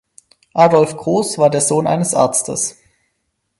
Adolf Groß war der Sohn eines Arztes.